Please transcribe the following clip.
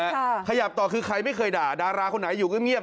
ขยับต่อคือใครไม่เคยด่าดาราคนไหนอยู่ก็เงียบ